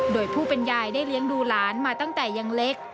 โดยผู้เป็นยายได้เลี้ยงดูหลานมาตั้งแต่ยังเล็ก